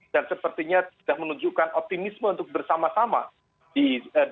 dan sepertinya sudah menunjukkan optimisme untuk bersama sama di dua ribu dua puluh empat